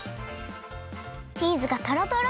チーズがとろとろ！